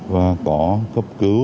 và có cấp cứu